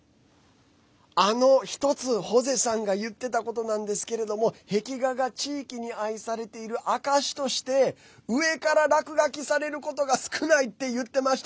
１つホゼさんが言ってたことですが壁画が地域に愛されている証しとして上から落書きされることが少ないと言っていました。